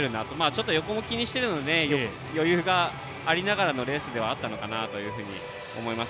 ちょっと横も気にしているので余裕もありながらのレースではあったと思います。